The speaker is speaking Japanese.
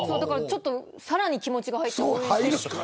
さらに気持ちが入って。